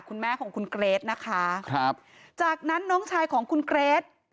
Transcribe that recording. คุณแม่ของคุณเกรทนะคะครับจากนั้นน้องชายของคุณเกรท